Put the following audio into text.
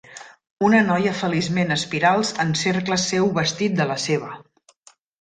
Una noia feliçment espirals en cercles seu vestit de la seva